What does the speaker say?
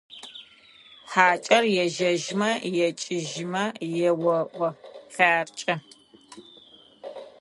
ХьакӀэр ежьэжьмэ, екӀыжьымэ еоӀо: «ХъяркӀэ!».